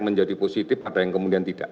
menjadi positif ada yang kemudian tidak